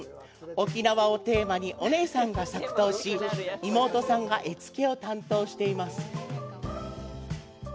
沖縄をテーマにお姉さんが作陶し妹さんが絵付けを担当しています。